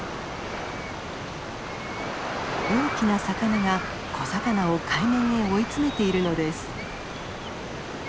大きな魚が小魚を海面へ追い詰めているのです。